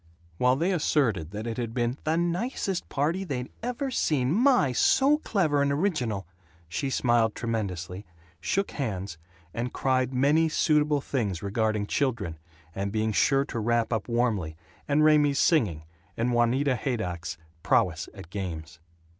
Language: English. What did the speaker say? While they asserted that it had been "the nicest party they'd ever seen my! so clever and original," she smiled tremendously, shook hands, and cried many suitable things regarding children, and being sure to wrap up warmly, and Raymie's singing and Juanita Haydock's prowess at games.